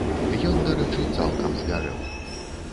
Ён, дарэчы, цалкам згарэў.